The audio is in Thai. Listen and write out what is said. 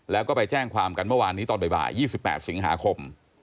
แล้วก็ไปแจ้งความกันเมื่อวานนี้ตอนบ่าย๒๘สิงหาคม